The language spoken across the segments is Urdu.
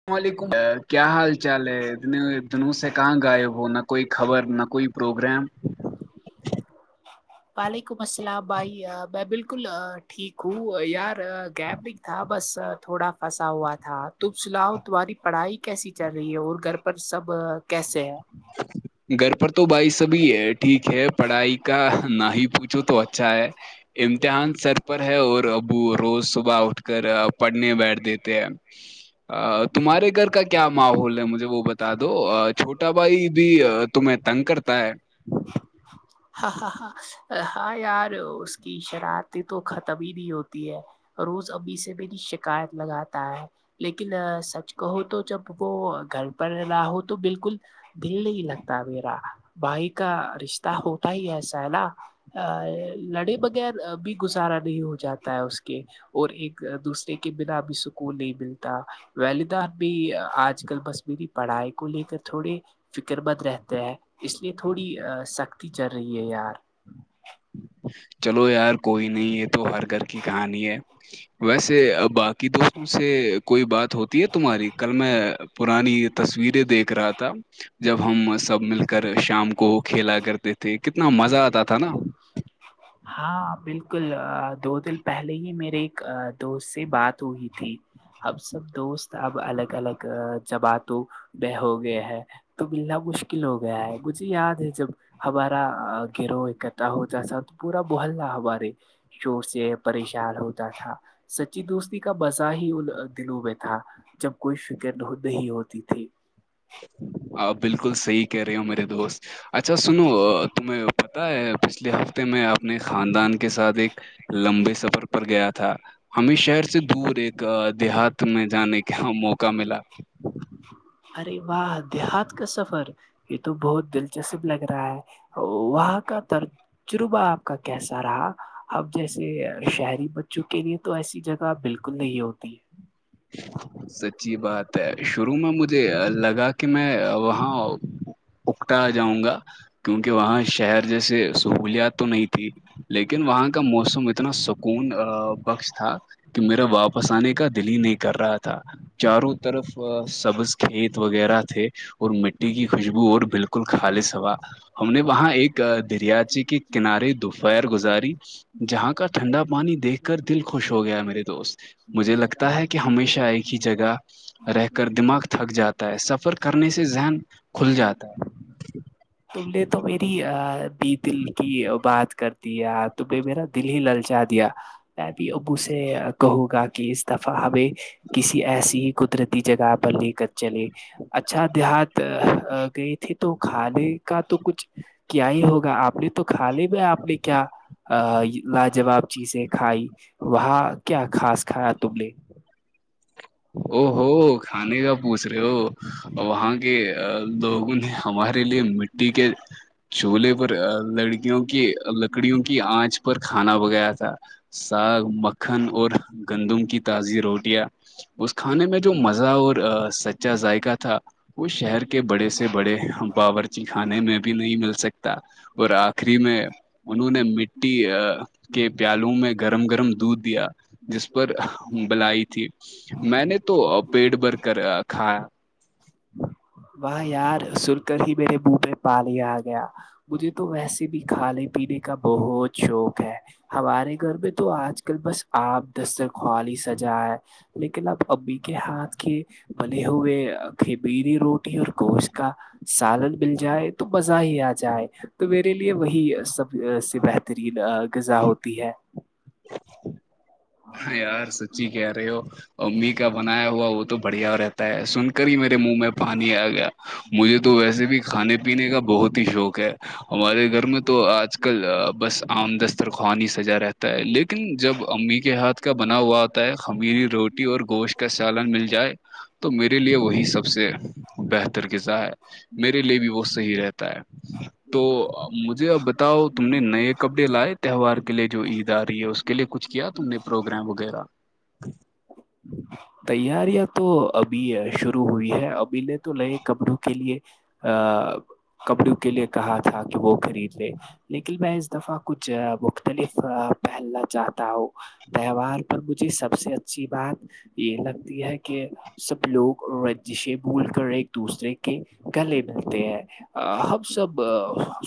اللام علیکم کیا حال چال ہے اتنے دنوں سے کہاں غائب ہو نہ کوئی خبر نہ کوئی پروگرام وعلیکم السلام بھائی میں بالکل ٹھیک ہوں یار گیب بھیک تھا بس تھوڑا پھنسا ہوا تھا تو سلاؤ تمہاری پڑھائی کیسی چل رہی ہے اور گھر پر سب کیسے ہے گھر پر تو بھائی سبھی ہے ٹھیک ہے پڑھائی کا نہ ہی پوچھو تو اچھا ہے امتحان سر پر ہے اور اب وہ روز صبح اٹھ کر پڑھنے بیٹھ دیتے ہیں تمہارے گھر کا کیا ماحول ہے مجھے وہ بتا دو چھوٹا بھائی بھی تمہیں تنگ کرتا ہے [inaudible] [inaudible] ہاں ہاں ہاں ہاں یار اس کی شرارطیں تو ختم ہی نہیں ہوتی ہے روز ابھی سے بھی شکایت لگاتا ہے لیکن سچ کہو تو جب وہ گھر پر رہ ہو تو بالکل دل نہیں لگتا میرا بھائی کا رشتہ ہوتا ہی ایساا ا لڑے بغیر بھی گزارا نہیں ہو جاتا ہے اس کے اور ایک دوسرے کے بنا اب سکون نہیں ملتے ولی دار بھی آج کل بس میری پڑھائی کو لے کر تھوڑے فکر بند رہتے ہیں اس لیے تھوڑی سختی چل رہی ہے یار چلو یار کوئی نہیں یہ تو ہر گھر کی کہانی ہے ویسے اب باقی کہ دوستوں سے کوئی بات ہوتی ہے تمہاری کل میں پرانی تصویریں دیکھ رہا تھا جب ہم سب مل کر شام کو کھیلا کرتے تھے کتنا مزہ آتا تھا نا ہاں بالکل دو دل پہلے ہی میرے ایک دوست سے بات ہوئی تھی اب سب دوست اب الگ الگ جمعاتوں ب ہو گئے ہیں تو ملنا مشکل ہو گیا ہے مجھے یاد ہے جب ہمارا گرو اکٹا ہو جیسا ہو تو پورا محللہ ہمارے شور سے پریشان ہوتا تھا سچی دوستی کا بزہ ہی ان دلوں میں تھا جب کوئی فکر نہیں نہیںی ہوتی تھی ہاں بالکل صحیح کہہ رہی ہو میرے دوست اچھا سنو تم پتا ہے پچھلے ہفتے میں اپنے خاندان کے ساتھ ایک لمبے سفر پر گیا تھا ہمیں شہر سے دور ایک دیہات میں جانے کا موقع ملا ارے واہ دیہات کا سفر یہ تو بہت دلچسپ لگ رہا ہے وہاں کا تر چروبا آپ کا کیسا رہا اب جیسے شہری بچوں کے لیے تو ایسی جگہ بالکل نہیں ہوتی ہے سچی بات ہے شروع میں مجھے لگا کہ میں وہاں اکٹا جاؤں گا کیونکہ وہاں شہر جیسے سہولیات تو نہیں تھی لیکن وہاں کا موسم اتنا سکون بخش تھا کہ میرا واپس آنے کا دل ہی نہیں کر رہا تھا چاروں طرف سبز کھیت وغیرہ تھے اور مٹی کی خوشبو اور بالکل کل خالص ہوا ہم نے وہاں ایک دریاچی کے کنارے دوپہر گزاری جہاں کا ٹھنڈا پانی دیکھ کر دل خوش ہو گیا میرے دوست مجھے لگتا ہے کہ ہمیشہ ایک ہی جگہ رہ کر دماغ تھک جاتا ہے سفر کرنے سے ذہن کھل جاتا [inaudible] تم نے تو میری بی دل کی بات کرتی ہے تو میرا دل ہی للچا دیا میں بھی ابو سے کہوں گا کہ اس دفعہ ہمیں کسی ایسی ہی قدرتی جگہ پر لے کر چلے اچھا دیہات گئی تھی تو کھانے کا تو کچھ کیا ہی ہوگا آپ نے تو کھا لے میں آپ نے کیا لاجواب چیزیں کھائی وہاں کیا خاص کھایا تم نے او ہو کھانے کا پوچھ رہے ہو وہاں کے لوگوں نے ہمارے لیے م ٹھیک ہے چولہے پر لڑکیوں کی لکڑیوں کی آنچ پر کھانا ب گایا تھا ساگ مکھن اور گندم کی تازی روٹیاں اس کھانے میں جو مزہ اور سچا ذائقہ تھا وہ شہر کے بڑے سے بڑے پاور جکھانے میں بھی نہیں مل سکتا اور آخری میں انہوں نے مٹی کے پیالو میں گرم گرم دودھ دیا جس پر بلائی تھی میں نے تو پیٹ بھر کر کھایا وہاہ یار سن کر ہی میرے بوبے پالیا آ گیا مجھے تو ویسے بھی کھانے پینے کا بہت شوق ہے ہمارے گھر میں تو آج کل بس آپ دسترخوالی سجائےائے لیکن اپ ابھی کے ہاتھ کے بنے ہوئے تھے بیری روٹی اور گوشت کا سالن مل جائے تو مزہ ہی آ جائے تو میرے لیے وہی سب سے بہترین غذا ہوتی ہے ہاں یار سچی کہہ رہے ہو امی کا بنایا ہوا وہ تو بڑھیا رہتا سن کر ہی میرے منہ میں پانی آ گیا مجھے تو ویسے بھی کھانے پینے کا بہت ہی شوق ہے ہمارے گھر میں تو آج کل بس عم دسترخوان ہی سجا رہتا ہے لیکن جب امی ہاتھ کا بنا ہوا آتا ہے خمری روٹی اور گوشت کا سالن مل جائے تو میرے لیے وہی سب سے بہتر غذا ہے میرے لیے بھی وہ صحیح رہتا ہے ہ [inaudible] تو مجھے اب بتاؤ تم نے نئے کپڑے لائے تہوار کے لیے جو عید آ رہی ہے اس کے لیے کچھ کیا اننے پروگرام وغیرہ تیاریاں تو ابھی شروع ہوئی ہے ابھی نے تو نئے کمروں کے لیے ا کپڑوں کے لیے کہا تھا کہ وہ خرید لے لیکل میں اس دفعہ کچھ مختلف پہلنا چاہتا ہوں تہوار پر مجھے سب سے اچھی بات یہ لگتی ہے کہ سب لوگ رنجشے بھول کر ایک دوسرے کے گلے ملتے ہیں ہم سب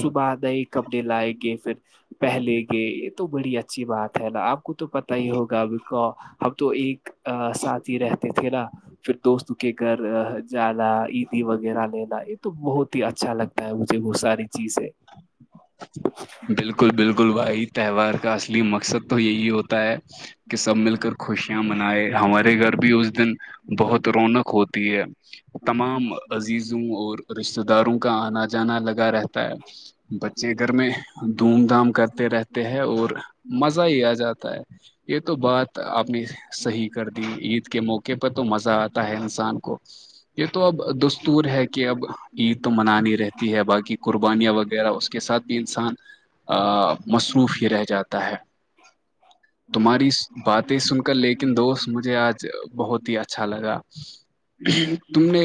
صبح نئے کپڑے لائے گے پھر پہلے گئے یہ تو بڑی اچھی بات ہے نا اب کو تو پتا ہی ہوگا ا ہم کو ہم تو ایک ساتھ ہی رہتے تھے نا پھر دوست کے گھر جانا عیدی وغیرہ لینا یہ تو بہت ہی اچھا لگتا مجھے وہ ساری چیزیں ہے بالکل بالکل بھائی تہوار کا اصلی مقصد تو یہی ہوتا ہے کہ سب مل کر خوشیاں منائے ہمارے گھر بھی اس دن بہت رونق ہوتی ہے تمام عزیزوں اور رشتتے داروں کا آنا جانا لگا رہتا ہے بچے گھر میں دھوم دھام کرتے رہتے ہیں اور مزہ ہی آ جاتا ہے یہ تو بات آپنے صحیح کر دی عید کے موقع پر تو مزہ آتا ہے انسان کو یہ تو اب دستور ہے کہ اب عید تو منانی رہتی ہے باقی قربانیاں و وغیر اس کے ساتھ بھی انسان مصروف ہی رہ جاتا ہے تمہاری باتیں سن کر لیکن دوست مجھے آج بہت ہی اچھا لگا تم نے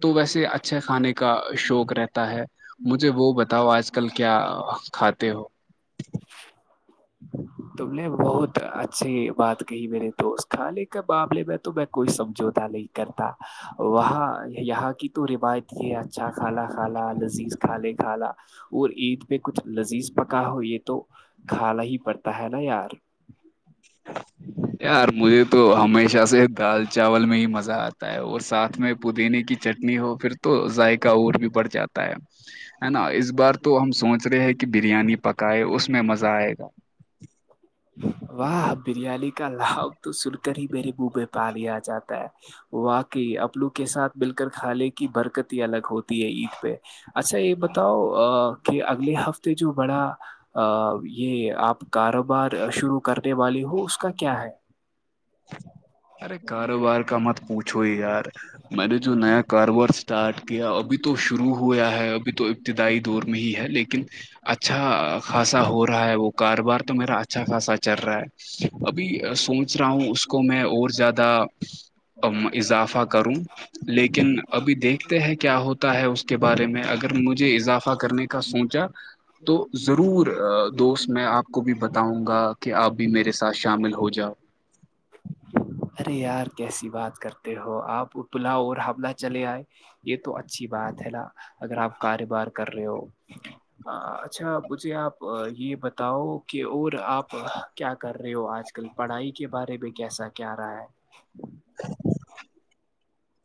تو ویسے اچھا کھانے کا شوق رہتا ہے مجھے وہ بتا بتاؤ آج کل کیا کھاتے ہو تم نے بہت اچھی بات کہی میرے تو اس کھانے کے معاملے میں تو میں کوئی سمجھوتا نہیں کرتا وہاں یہاں کی تو روایت یہ اچھا کھالا کھالا لذیذ کھا لے کھالا وہ عید پہ کچھ لذیذ پکا ہو یہ تو کھانا ہی پڑتا ہے نا یار [inaudible] یار مجھے تو ہمیشہ سے دال چاول میں ہی مزہ آتا ہے اور ساتھ میں پودینے کی چنی نہیں ہو پھر تو ذائق اور بھی بڑھ جاتا ہے ہے نا اس بار تو ہم سوچ رہے ہیں کہ بریانی پکائے اس میں مزہ آئے گا واہ بریانی کا لھاب تو سن کر ہی میرے منہ میں پانی آ جاتا ہے واقعی اپنو کے ساتھ مل کر کھانے کی برکت ہی الگ ہوتی ہے عید پہ اچھا یہ بتاؤ کہ اگلے ہفتے جو بڑا یہ آپ کاروبار شروع کرنے والی ہو اس کا کیا ہے ارے کاروبار کا مت پوچھو یار میں نے جو نیا کاروبار اسٹٹ کیا ابھی تو شروع ہوا ہے ابھی تو ابتدائی دور میں ہی ہے لیکن اچھا خاصا ہو رہا ہے وہ کاروبار تو میرا اچھا خاصا چل رہا ہے ابھی سوچ رہا ہوں اس کو میں اور زیادہ ام، اضافہ کروں لیکن ابھی دیکھتے ہیں کیا [unintelligible] ہوتا ہے اس کے بارے میں اگر مجھے اضافہ کرنے کا سوچا تو ضرور دوست میں آپ کو بھی بتاؤں گا کہ آپ بھی میرے ساتھ شامل ہو جاؤ ارے یار کیسی بات کرتے ہو آپ اتلا اور حملہ چلے آئے یہ تو اچھی بات ہے نا اگر آپ کاروبار کر رہے ہو اچھا مجھے آپ یہ بتاؤ کہ اور آپ کیا کر رہے رہے ہو آج کل پڑھائی کے بارے میں کیسا کیا رہا ہے [unintelligible]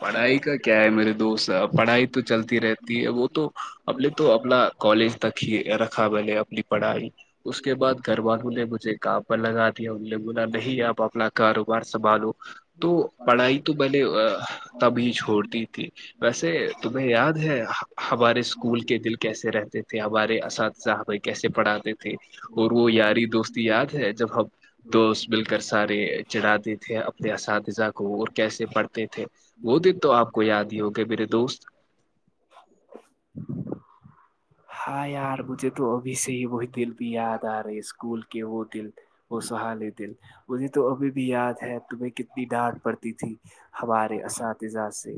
پڑھائی کا کیا ہے میرے دوست اب پڑھائی تو چلتی رہتی ہے وہ تو ہم نے تو اپنا کالج تک ر رکھا بل اپنی پڑھائی اس کے بعد گھر والوں نے مجھے کام پر لگا دیا انوں نے بولا نہیں آپ اپنا کاروبار سنبھالو تو پڑھائی تو بہلے تبھی چھوڑتی تھی ویسے تمہیں یاد ہے ہمارے اسکول کے دل کیسے رہتے تھے ہمارے اساتذہحبائی کیسے پڑھاتے تھے تھ اور وہ یاری دوست یاد ہے جب ہمب دوست مل کر سارے چڑھاتے تھے اپنے اساتذہ کو اور کیسے پڑھتے تھے وہ دن تو آپ کو یاد ہی ہوگے میرے دوست ہ ار بھے تو اب سے ب [unintelligible] دل بھی یاد آ رہے ہے اسکول کے وہ دل وہ سہالے دل مجھے تو ابھی بھی یاد ہے تمہیں کتنی ڈانٹ پڑتی تھی ہمارے اساتذہ سے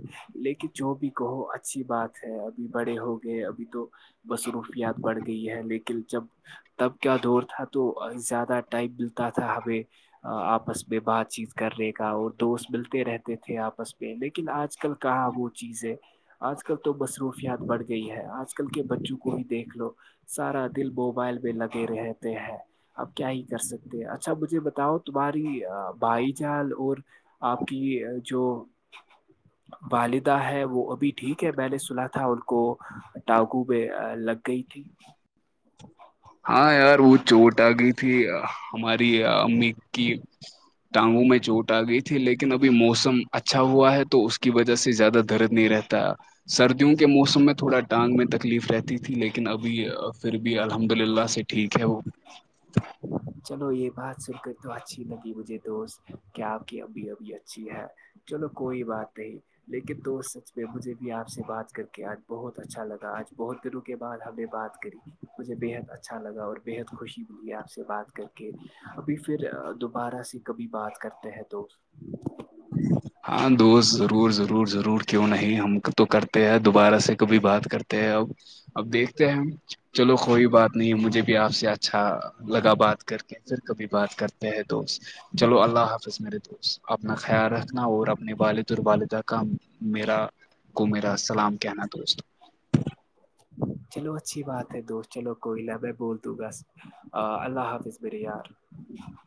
لیکن جو بھی کہو اچھی بات ہے ابھی بڑے ہوگئے ابھی تو مصروفیات بڑھ گئی ہے لیکن جب تب کیا دور تھا تو زیادہ ٹائم ملتا تھا ہمیں آپس میں بات چیت کرنے کا اور دوست ملتے رہتے تھے آپس میں لیکن آج کل کل کہاں وہ چیز ہے آج کل تو مصروفیات بڑ گئی ہے آج آج کل کے بچوں کو بھی دیکھ لو سارا دل موبائل پہ لگے رہتے ہیں آپ کیا ہی کر سکتے ہیں اچھا مجھے بتاؤ تمہاری بھائی جال اور آپ کی جو والدہ ہے وہ ابھی ٹھیک ہے میں نے سنا تھا ان کو کو ٹاگو میں لگ گئی تھی ہاں یار وہ چوٹ آ گئی تھی ہماری امی کی ٹانگو میں چوٹ آ گئی تھی لیکن ابھی موسم اچھا ہوا ہے تو اس کی وجہ سے زیادہ درد نہیں رہتا سردیوں کے موسم میں تھوڑا ٹانگ میں تکلیف رہتی تھی لیکن ابھی پھر بھی الحمد للہ سے ٹھیک ہے وہ چلو یہ بات سن کر تو اچھی لگی مجھے دوست کیا آپ کی ابھی ابھی اچھی ہے چلو کوئی بات نہیں لیکن دوست سچ میں مجھے بھی آپ سے بات کر کے آج بہت اچھا لگا آج بہت دنوں کے بعد ہمیں بات کری مجھے بےحد اچھا لگا اور بےحد خوشی ملی آپ سے بات کر کے ابھی پھر دوبارہ سے کبھی بات کرتے ہیں تو ہاں دوست ضرور ضرور ضرور کیوں نہیں ہم تو کر دوبارہ سے کبھی بات کرتے ہیں اب اب دیکھتے ہیں ہم چلو کوئی بات نہیں مجھے بھی آپ سے اچھا لگا بات کر کے پھر کبھی بات کرتے ہیں دوست چلو اللہ حافظ میرے دوست اپنا خیال رکھنا اور اپنے والد اور والدہ کام میرا کو میرا سلام کہنا دوست چلو اچھی بات ہے دوست چلو کوئی نہا میں بول دوں بس آ اللہ حافظ بری یار [inaudible]